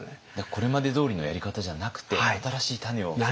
これまでどおりのやり方じゃなくて新しい種を。